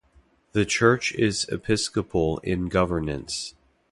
The church is episcopal in governance.